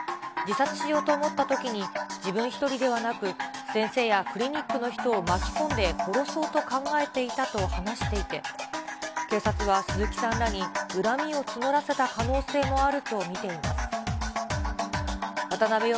自殺しようと思ったときに自分１人ではなく、先生やクリニックの人を巻き込んで殺そうと考えていたと話していて、警察は鈴木さんらに、恨みを募らせた可能性もあると見ています。